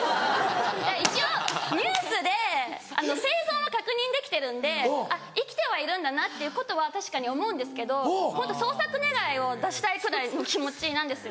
一応ニュースで生存は確認できてるんで生きてはいるんだなということは確かに思うんですけどホント捜索願を出したいくらいの気持ちなんですよ。